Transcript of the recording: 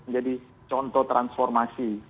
menjadi contoh transformasi